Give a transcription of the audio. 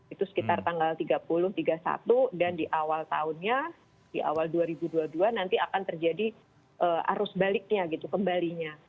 itu sekitar tanggal tiga puluh tiga puluh satu dan di awal tahunnya di awal dua ribu dua puluh dua nanti akan terjadi arus baliknya gitu kembalinya